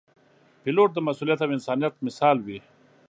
پیلوټ د مسؤلیت او انسانیت مثال وي.